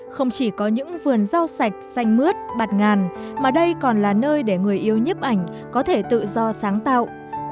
không chỉ có những vườn rau sạch xanh mướt bạt ngàn mà đây còn là nơi để người yêu nhếp ảnh có thể tự do sáng tạo